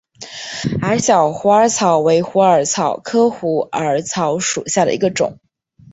矮小虎耳草为虎耳草科虎耳草属下的一个种。